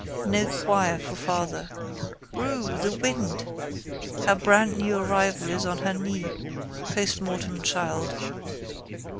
No chair for father. Broo! The wind! Her brandnew arrival is on her knee, post mortem child.